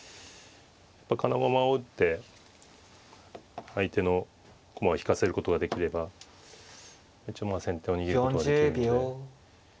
金駒を打って相手の駒を引かせることができれば一応まあ先手は逃げることができるので。